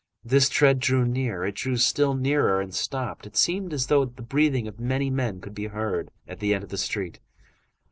This tread drew near; it drew still nearer, and stopped. It seemed as though the breathing of many men could be heard at the end of the street.